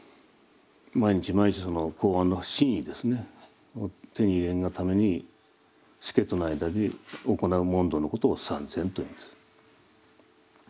毎日毎日その公案の真意ですねを手に入れんがために師家との間で行う問答のことを参禅というんです。